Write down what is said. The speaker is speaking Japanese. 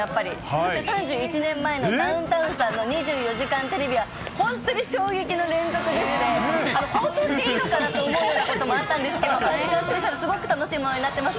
そして３１年前のダウンタウンさんの２４時間テレビは、本当に衝撃の連続でして、放送していいのかなと思うようなこともあったんですけど、スペシャル、すごく楽しいものになっています。